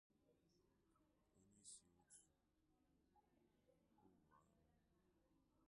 onyeisi òtù ọrụ ahụ